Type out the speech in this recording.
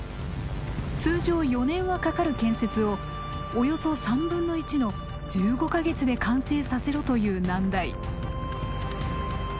通常４年はかかる建設をおよそ３分の１の１５か月で完成させろという難題。